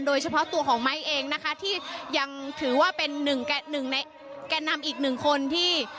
โดยเฉพาะตัวของไม้เองนะคะที่ยังถือว่าเป็นหนึ่งในแก่นำอีกหนึ่งคนที่